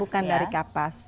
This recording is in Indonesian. bukan dari kapas